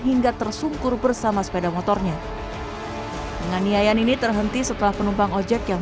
hingga tersungkur bersama sepeda motornya penganiayaan ini terhenti setelah penumpang ojek yang